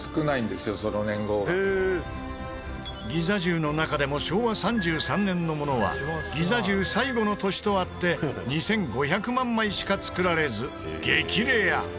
ギザ１０の中でも昭和３３年のものはギザ１０最後の年とあって２５００万枚しかつくられず激レア。